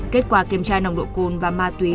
kết quả kiểm tra nồng độ cồn và ma túy